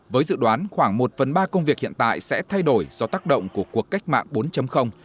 với dự đoán khoảng một phần ba công việc hiện tại sẽ thay đổi do tác động của cuộc cách mạng bốn